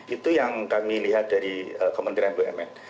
itu yang kami lihat dari kementerian bumn